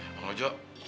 eh bang ojo